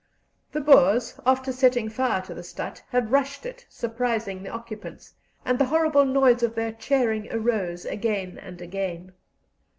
The Boers, after setting fire to the stadt, had rushed it, surprising the occupants; and the horrible noise of their cheering arose again and again.